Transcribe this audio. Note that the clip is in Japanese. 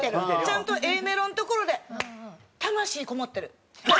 ちゃんとＡメロのところで「魂こもってる！」。